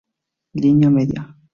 Línea media.